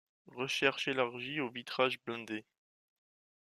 Recherches élargies au vitrage blindé.